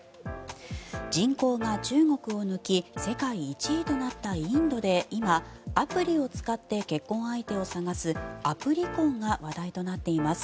人口が中国を抜き世界１位となったインドで今、アプリを使って結婚相手を探すアプリ婚が話題となっています。